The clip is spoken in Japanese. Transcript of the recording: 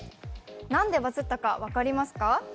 何でバズったか分かりますか？